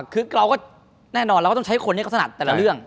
คือเราก็แน่นอนเราก็ต้องใช้คนนี้เขาถนัดแต่ละเรื่อง